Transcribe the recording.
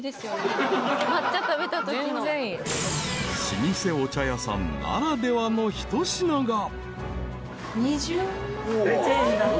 ［老舗お茶屋さんならではの一品が］